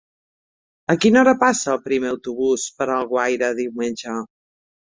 A quina hora passa el primer autobús per Alguaire diumenge?